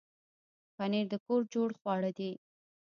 پنېر د کور جوړ خواړه دي.